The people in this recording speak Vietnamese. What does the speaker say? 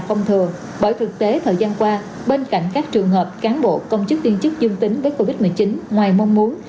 không thừa bởi thực tế thời gian qua bên cạnh các trường hợp cán bộ công chức viên chức dung tính với covid một mươi chín ngoài mong muốn